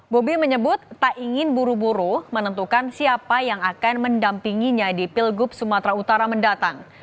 bobi menyebut tak ingin buru buru menentukan siapa yang akan mendampinginya di pilgub sumatera utara mendatang